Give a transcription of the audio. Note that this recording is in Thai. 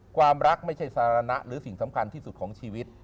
ความรักไม่ใช่สารณะหรือสิ่งสำคัญที่สุดของชีวิต